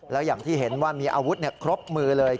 แล้วอย่างที่เห็นว่ามีอาวุธครบมือเลย